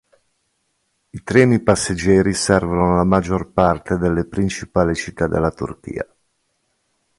I treni passeggeri servono la maggior parte delle principali città della Turchia.